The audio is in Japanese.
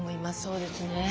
そうですね。